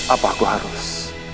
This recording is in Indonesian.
apa aku harus